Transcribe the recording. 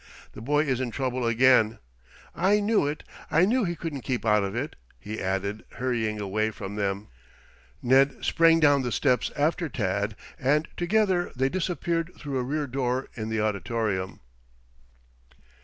"The boy is in trouble again. I knew it I knew he couldn't keep out of it," he added, hurrying away from them. Ned sprang down the steps after Tad and together they disappeared through a rear door in the auditorium.